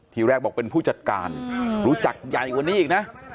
ทีแรกบอกเป็นผู้จัดการรู้จักใหญ่กว่านี้อีกนะ